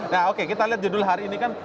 nah oke kita lihat judul hari ini kan